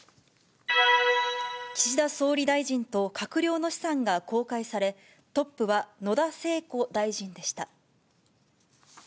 岸田総理大臣と閣僚の資産が公開され、トップは野田聖子大臣でした。